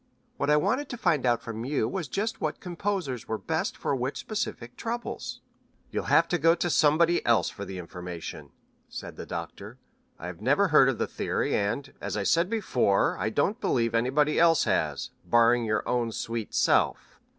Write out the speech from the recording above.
What I wanted to find out from you was just what composers were best for which specific troubles." "You'll have to go to somebody else for the information," said the Doctor. "I never heard of the theory, and, as I said before, I don't believe anybody else has, barring your own sweet self."